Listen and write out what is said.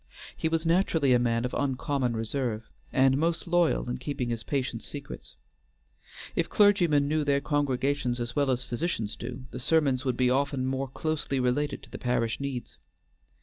He was naturally a man of uncommon reserve, and most loyal in keeping his patients' secrets. If clergymen knew their congregations as well as physicians do, the sermons would be often more closely related to the parish needs.